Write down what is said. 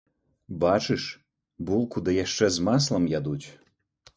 Бачыш, булку ды яшчэ з маслам ядуць.